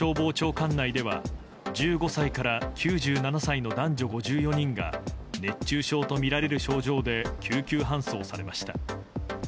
管内では１５歳から９７歳の男女５４人が熱中症とみられる症状で救急搬送されました。